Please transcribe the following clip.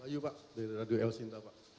pak ayu pak dari radio eosinta pak